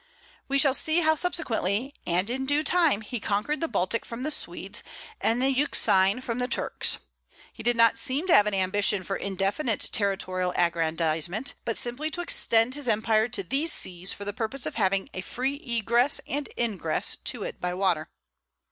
We shall see how subsequently, and in due time, he conquered the Baltic from the Swedes and the Euxine from the Turks. He did not seem to have an ambition for indefinite territorial aggrandizement, but simply to extend his empire to these seas for the purpose of having a free egress and ingress to it by water.